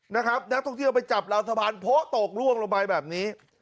นักท่องเที่ยวไปจับราวสะพานโพะตกล่วงลงไปแบบนี้